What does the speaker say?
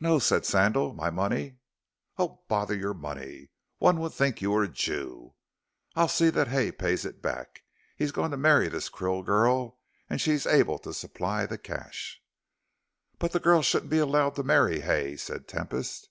"No," said Sandal, "my money " "Oh, bother your money. One would think you were a Jew. I'll see that Hay pays it back. He's going to marry this Krill girl, and she's able to supply the cash." "But the girl shouldn't be allowed to marry Hay," said Tempest.